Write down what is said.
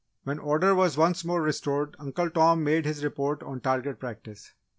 When order was once more restored, Uncle Tom made his report on target practice.